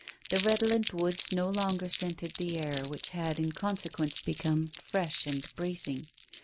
The redolent woods no longer scented the air, which had in consequence become fresh and bracing.